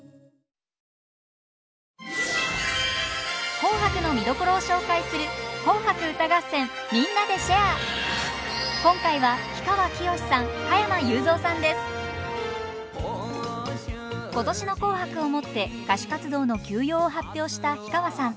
「紅白」の見どころを紹介する今回は今年の「紅白」をもって歌手活動の休養を発表した氷川さん。